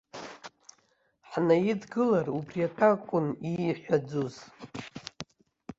Ҳнеидгылар, убри атәы акәын ииҳәаӡоз.